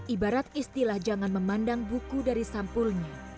ibarat istilah jangan memandang buku dari sampulnya